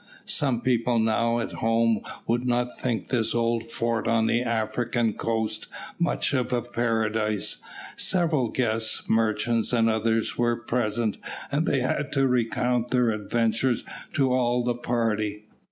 "Some people now at home would not think this old fort on the African coast much of a paradise." Several guests, merchants, and others were present, and they had to recount their adventures to all the party.